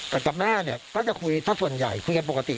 แต่กับแม่เนี่ยก็จะคุยถ้าส่วนใหญ่คุยกันปกติ